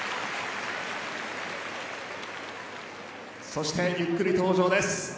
そしてゆっくり登場です。